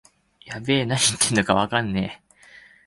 やべえ、なに言ってんのかわからねえ